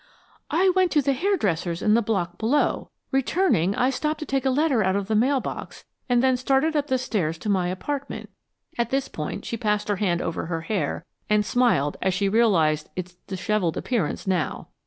"I went to the hairdresser's in the block below. Returning, I stopped to take a letter out of the mail box and then started up the stairs to my apartment." At this point she passed her hand over her hair and smiled as she realized its disheveled appearance now.